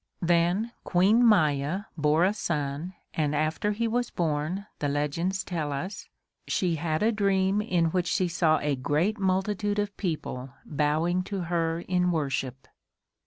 Then Queen Maya bore a son and after he was born, the legends tell us, she had a dream in which she saw a great multitude of people bowing to her in worship.